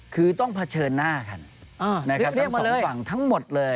คือต้องเผชิญหน้ากันนะครับทั้งสองฝั่งทั้งหมดเลย